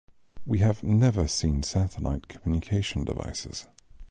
We have never seen satellite communication devices.